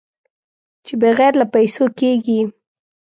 چې بغیر له پېسو کېږي.